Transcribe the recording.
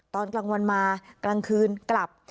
ตอนกลางวันมากลางคืนกลับ